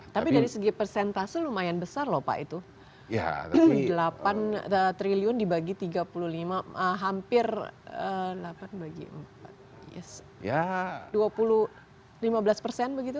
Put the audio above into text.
tapi dari segi persentase lumayan besar loh pak itu delapan triliun dibagi tiga puluh lima hampir delapan belas persen begitu